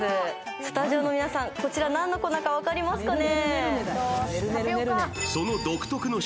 スタジオの皆さん、こちら何の粉か分かりますかね。